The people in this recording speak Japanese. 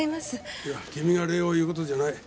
いや君が礼を言う事じゃない。